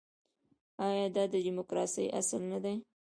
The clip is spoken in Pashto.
آیا دا د ډیموکراسۍ اصل نه دی؟